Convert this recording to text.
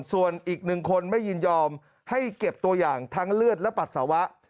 ส่วนอีกหนึ่งคนไม่ยินยอมให้เก็บตัวอย่างทั้งเลือดและปัสสาวะ